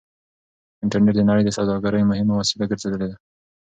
انټرنټ د نړۍ د سوداګرۍ مهمه وسيله ګرځېدلې ده.